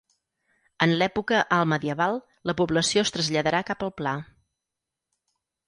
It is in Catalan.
En l'època alt-medieval, la població es traslladarà cap al pla.